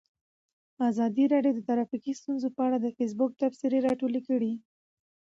ازادي راډیو د ټرافیکي ستونزې په اړه د فیسبوک تبصرې راټولې کړي.